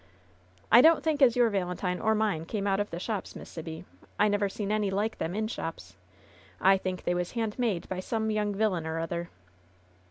"I don't think as your valentine or mine came out of the shops, Miss Sibby. I never seen any like them in shops. I think they was handmade by some young vilyun or other."